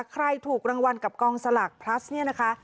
ใครถูกรางวัลกับกองสลากพลัสเนี่ยนะคะ